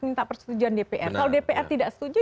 minta persetujuan dpr kalau dpr tidak setuju